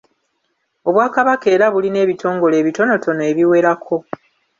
Obwakabaka era bulina ebitongole ebitonotono ebiwerako.